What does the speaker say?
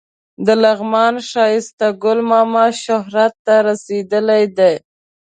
د لغمان ښایسته ګل ماما شهرت ته رسېدلی دی.